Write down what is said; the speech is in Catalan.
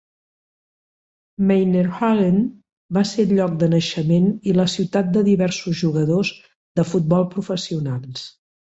Meinerzhagen va ser el lloc de naixement i la ciutat de diversos jugadors de futbol professionals.